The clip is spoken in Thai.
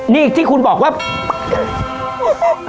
นี่ที่คุณบอกว่า